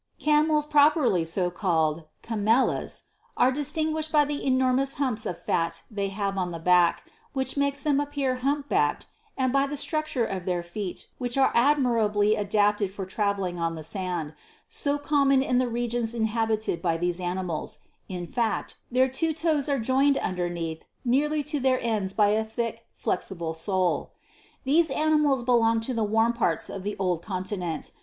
14. CAMELS PROPERLY so CALLED, Caaielus, are distinguished by the enormous humps of fat they have on the back; which makes them appear hump backed, and by the structure of their feet which are admirably adapted for travelling on the sand, so common in the regions inhabited by these animals : in fact, their two toes are joined underneath nearly to their ends by a thick, flexible sole. 15. These animals belong to the warm parts of the old conti nent.